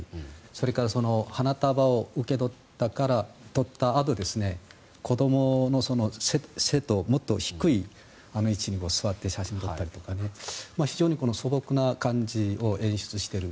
それから、花束を受け取ったあと子どもの背ともっと低い位置に座って写真を撮ったりとか非常に素朴な感じを演出している。